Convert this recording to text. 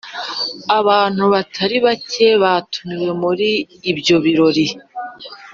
abantu batari bake batumiwe muri ibyo birori.